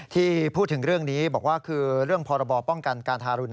ที่พูดถึงเรื่องนี้บอกว่าคือเรื่องพรบป้องกันการทารุณ